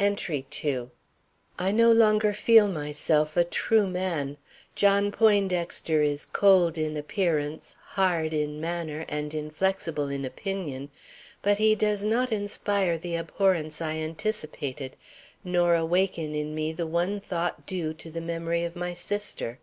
ENTRY II. I no longer feel myself a true man. John Poindexter is cold in appearance, hard in manner, and inflexible in opinion, but he does not inspire the abhorrence I anticipated nor awaken in me the one thought due to the memory of my sister.